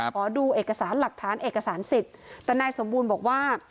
ขอดูเอกสารหลักฐานเอกสารสิทธิ์แต่นายสมบูรณ์บอกว่า